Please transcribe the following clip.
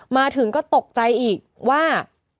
มาถึงก็ตกใจอีกว่า